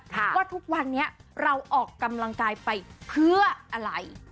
ว่าทุกวันนี้เราออกกำลังกายไปเพื่ออะไร